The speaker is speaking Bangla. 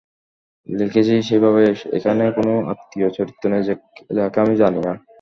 লিখেছি সেভাবেই, এখানে কোনো অনাত্মীয় চরিত্র নেই, যাকে আমি জানি না।